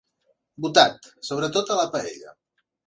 Botat, sobretot a la paella.